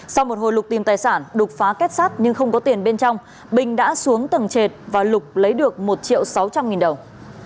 sau một hồi lục tìm tài sản đục phá kết sát nhưng không có tiền bên trong bình đã xuống tầng trệt và lục lấy được một triệu sáu trăm linh nghìn đồng